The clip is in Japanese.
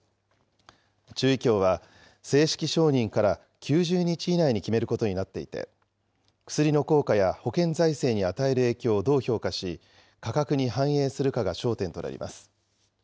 中医協は、正式承認から９０日以内に決めることになっていて、薬の効果や保険財政に与える影響をどう評価し、価格に反映するかが焦点となります。